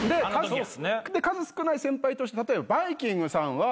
で数少ない先輩として例えばバイきんぐさんは。